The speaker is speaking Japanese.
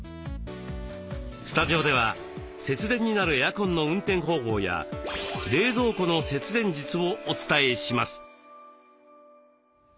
スタジオでは節電になるエアコンの運転方法や冷蔵庫の節電術をお伝えします。